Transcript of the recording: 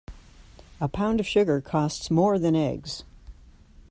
A pound of sugar costs more than eggs.